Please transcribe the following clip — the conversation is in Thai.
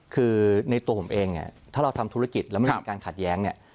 คือในตัวผมเองเนี่ยถ้าเราทำธุรกิจแล้วมันมีการขัดแย้งเนี่ย